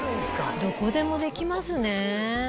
どこでもできますね。